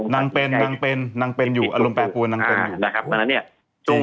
นางเป็นนางเป็นนางเป็นอยู่อารมณ์แปลปวนนางเป็นอยู่